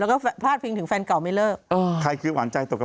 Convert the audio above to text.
แล้วก็พลาดเพียงถึงแฟนเก่าไม่เลิก